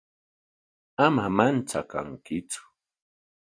Ama manchakankitsu.